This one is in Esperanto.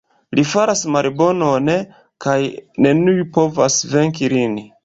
Li faras malbonon kaj neniu povas venki lin.